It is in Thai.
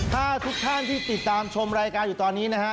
ถ้าทุกท่านที่ติดตามชมรายการอยู่ตอนนี้นะฮะ